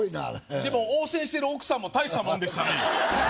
でも応戦してる奥さんも大したもんでしたね